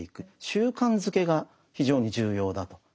習慣づけが非常に重要だと。